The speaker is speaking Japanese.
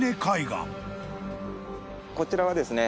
こちらはですね